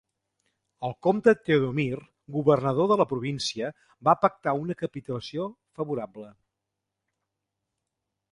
El comte Teodomir, governador de la província, va pactar una capitulació favorable.